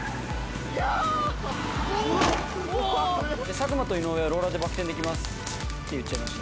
作間と井上はローラーでバク転できますって言っちゃいました。